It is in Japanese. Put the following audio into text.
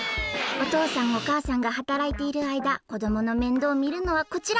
おとうさんおかあさんがはたらいているあいだこどものめんどうをみるのはこちら！